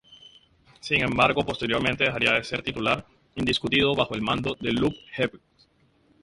Sin embargo, posteriormente dejaría de ser titular indiscutido bajo el mando de Jupp Heynckes.